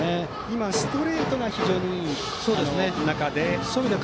今、ストレートが非常にいい中で。